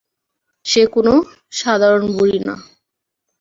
সে কোন সাধারণ বুড়ি না।